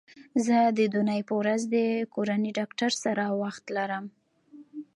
زه د دونۍ په ورځ د کورني ډاکټر سره وخت لرم